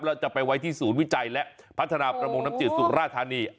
แล้วจะไปไว้ที่ศูนย์วิจัยและพัฒนาประมงน้ำจืดสุราธานี